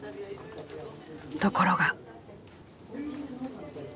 ところが。